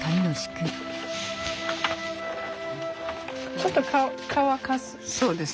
ちょっと乾かす？